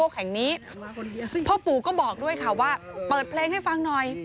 แห่งนี้พ่อปู่ก็บอกด้วยค่ะว่าเปิดเพลงให้ฟังหน่อย